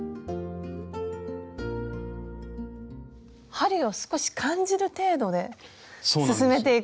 針を少し感じる程度で進めていく？